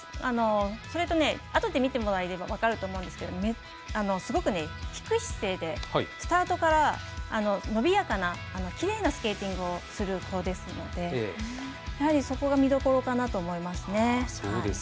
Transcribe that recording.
それと、あとで見てもらえれば分かるんですけどすごく低い姿勢でスタートから伸びやかなきれいなスケーティングをする子ですのでそこが見どころかなと思いますね。